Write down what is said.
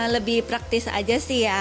lebih praktis aja sih ya